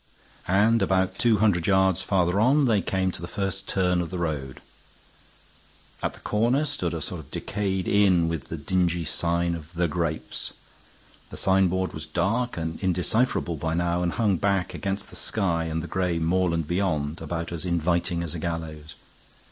And about two hundred yards farther on they came to the first turn of the road. At the corner stood a sort of decayed inn with the dingy sign of The Grapes. The signboard was dark and indecipherable by now, and hung black against the sky and the gray moorland beyond, about as inviting as a gallows.